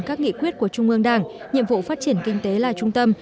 các nghị quyết của trung ương đảng nhiệm vụ phát triển kinh tế là trung tâm